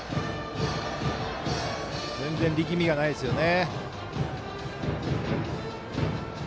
全然、力みがないですね。